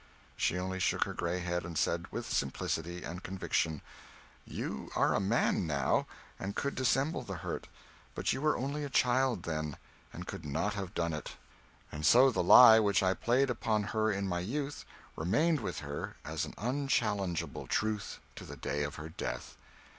She only shook her gray head and said, with simplicity and conviction "You are a man, now, and could dissemble the hurt; but you were only a child then, and could not have done it." And so the lie which I played upon her in my youth remained with her as an unchallengeable truth to the day of her death.